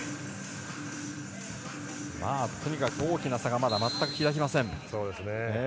とにかく大きな差がまだ全く開きません。